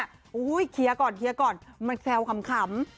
อ้าวเนี่ยคีย์ก่อนมันแซวคำ